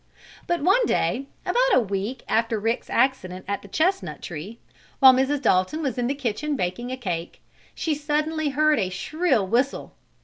But one day, about a week after Rick's accident at the chestnut tree, while Mrs. Dalton was in the kitchen baking a cake, she suddenly heard a shrill whistle.